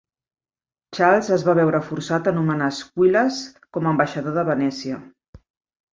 Charles es va veure forçat a nomenar Squillace com a ambaixador a Venècia.